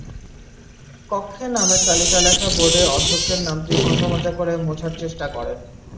কক্ষে নামের তালিকা লেখা বোর্ডে অধ্যক্ষের নামটি ঘষামাজা করে মোছার চেষ্টা করেন।